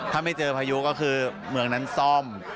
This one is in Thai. ถ้าไม่เจอพายุก็คือเมืองนั้นซ่อม